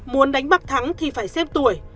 muốn đánh bạc thắng thì phải xem tuổi